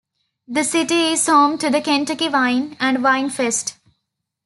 The city is home to the Kentucky Wine and Vine Fest.